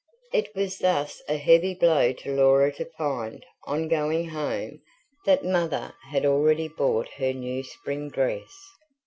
It was thus a heavy blow to Laura to find, on going home, that Mother had already bought her new spring dress.